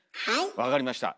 分かりました。